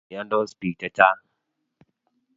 Miandos piik che chang'